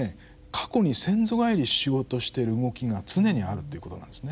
過去に先祖返りしようとしてる動きが常にあるっていうことなんですね。